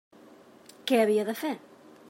Què havia de fer?